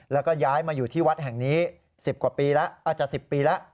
แล้วก็ย้ายมาอยู่ที่วัดแห่งนี้๑๐กว่าปีแล้วอาจจะ๑๐ปีแล้ว